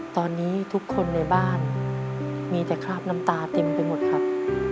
ตอนนี้ทุกคนในบ้านมีแต่คราบน้ำตาเต็มไปหมดครับ